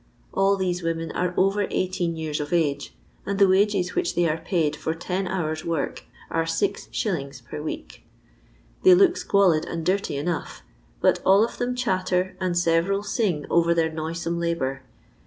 All these women are over eigh teen years of age, and the wages which they are paid for ten hours' work are 6«. per week. They look squalid and dirty enough ; but all of them chatter and several sing over their noisome la bour.